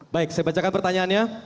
baik saya bacakan pertanyaannya